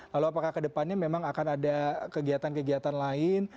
lalu apakah kedepannya memang akan ada kegiatan kegiatan lain